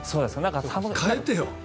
変えてよ。